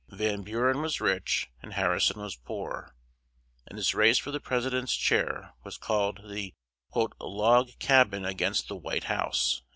Van Bu ren was rich, and Har ri son was poor; and this race for the pres i dent's chair was called the "Log Cab in a gainst the White House."